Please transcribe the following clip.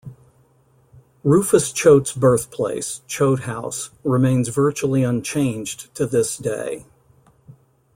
Rufus Choate's birthplace, Choate House, remains virtually unchanged to this day.